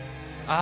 あ